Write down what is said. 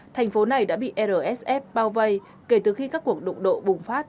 thành phố này đã bị rsf bao vây kể từ khi các cuộc đụng độ bùng phát